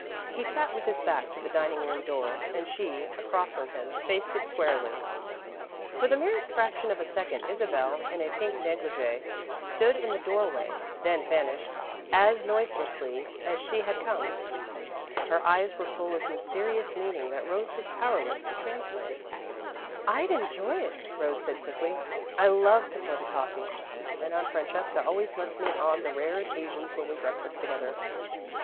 He sat with his back to the dining room door and she, across from him, faced it squarely. For the merest fraction of a second Isabel, in a pink silk negligee, stood in the doorway, then vanished, as noiselessly as she had come. Her eyes were full of mysterious meaning that Rose was powerless to translate. "I'd enjoy it," Rose said quickly. "I love to pour the coffee and Aunt Francesca always lets me on the rare occasions when we breakfast together."